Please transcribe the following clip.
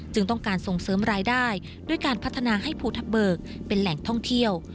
ต้องการส่งเสริมรายได้ด้วยการพัฒนาให้ภูทับเบิกเป็นแหล่งท่องเที่ยว